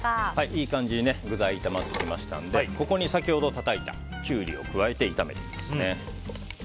いい感じに具材が炒まってきましたのでここに先ほどたたいたキュウリを加えて炒めていきます。